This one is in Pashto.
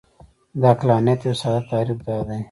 د عقلانیت یو ساده تعریف دا دی.